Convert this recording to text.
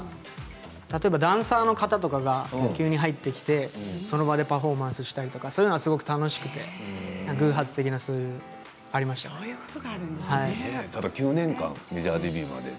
例えば、ダンサーの方とか急に入ってきて、その場でパフォーマンスしたりとかそういうのが楽しくてただ９年間メジャーデビューまで。